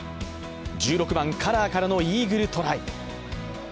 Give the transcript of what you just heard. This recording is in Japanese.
１６番、カラーからのイーグルトライ。